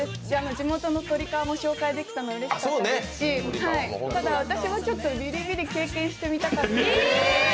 地元のとり皮も紹介できたのでうれしかったですし、ただ、私はちょっとビリビリ経験してみたかった。